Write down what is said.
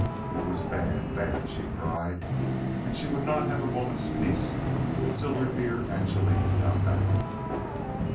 It was bad, bad, she cried, and she would not have a moment's peace till her dear Angeline got back.